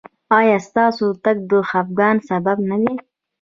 ایا ستاسو تګ د خفګان سبب نه دی؟